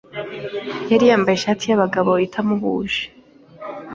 Yari yambaye ishati yabagabo itamuhuje.